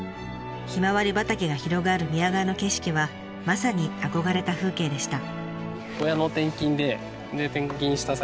ひまわり畑が広がる宮川の景色はまさに憧れた風景でした。